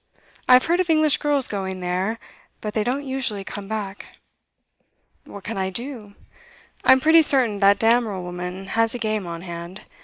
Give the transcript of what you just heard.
I've heard of English girls going there, but they don't usually come back.' 'What can I do? I'm pretty certain that Damerel woman has a game on hand.